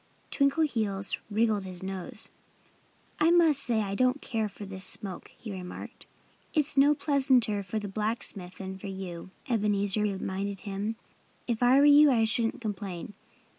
Twinkleheels wriggled his nose. "I must say I don't care for this smoke," he remarked. "It's no pleasanter for the blacksmith than for you," Ebenezer reminded him. "If I were you I shouldn't complain.